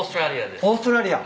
オーストラリア。